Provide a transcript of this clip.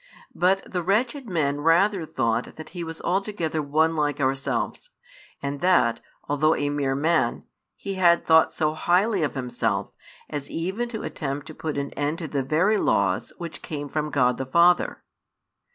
But the wretched men rather thought that He was altogether one like ourselves, and that, although a mere man, He had thought so highly of Himself as even to attempt to put an end to the very laws which came from God the Father.